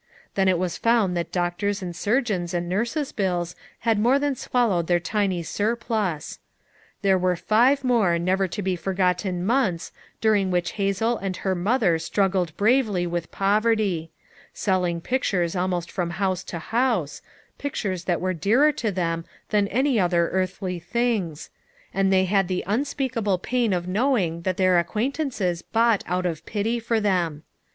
Then it was found that doctors' and surgeons' and nurse's bills had more than swallowed their tiny sur plus. There were five more, never to be for gotten months during which Hazel and her mother struggled bravely with poverty; selling pictures almost from house to house; pictures that were dearer to them than anv other earthly things; and they had the unspeakable pain of knowing that their acquaintances bought out of pity for them.